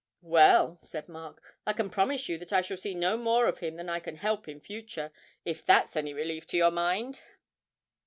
'Well,' said Mark, 'I can promise you that I shall see no more of him than I can help in future, if that's any relief to your mind.'